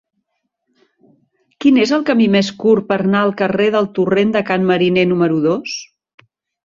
Quin és el camí més curt per anar al carrer del Torrent de Can Mariner número dos?